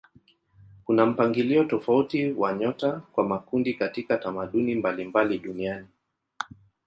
Kuna mpangilio tofauti wa nyota kwa makundi katika tamaduni mbalimbali duniani.